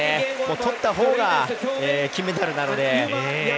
とったほうが、金メダルなので。